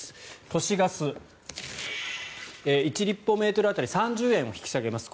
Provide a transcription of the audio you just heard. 都市ガス、１立方メートル当たり３０円を引き下げます。